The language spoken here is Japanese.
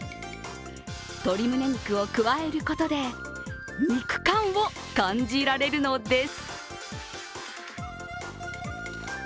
鶏むね肉を加えることで肉感を感じられるのです。